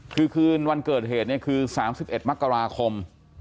คือคืนวันเกิดเหตุเนี่ยคือสามสิบเอ็ดมักกราคม